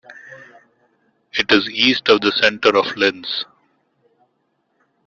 It is east of the centre of Lens.